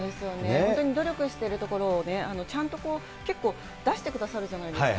本当に努力しているところを、ちゃんと、結構出してくださるじゃないですか。